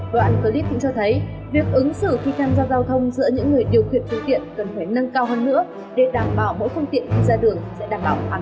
đoạn clip cũng cho thấy việc ứng xử khi tham gia giao thông giữa những người điều khiển phương tiện cần phải nâng cao hơn nữa để đảm bảo mỗi phương tiện khi ra đường sẽ đảm bảo an toàn